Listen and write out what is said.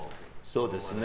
そうですね。